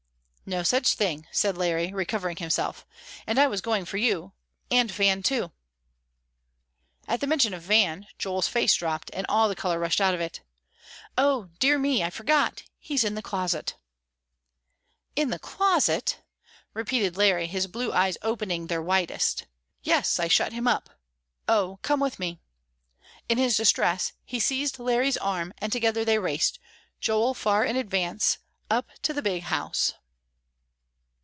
"No such thing," said Larry, recovering himself, "and I was going for you; and Van, too." At mention of Van, Joel's face dropped, and all the color rushed out of it. "O dear me, I forgot; he's in the closet." "In the closet?" repeated Larry, his blue eyes opening their widest. "Yes, I shut him up. Oh, come with me." In his distress he seized Larry's arm, and together they raced, Joel far in advance, up to the big house.